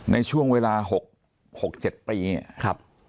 ในช่วงเวลา๖๗ปีเนี่ย